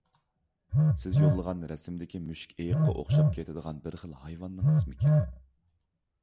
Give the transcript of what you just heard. سىز يوللىغان رەسىمدىكى مۈشۈكئېيىققا ئوخشاپ كېتىدىغان بىر خىل ھايۋاننىڭ ئىسمىكەن؟